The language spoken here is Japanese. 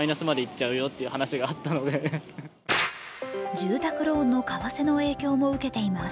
住宅ローンも為替の影響を受けています。